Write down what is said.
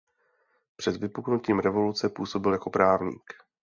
Před vypuknutím revoluce působil jako právník.